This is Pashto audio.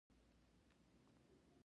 ښارونه د افغانستان د اقلیم ځانګړتیا ده.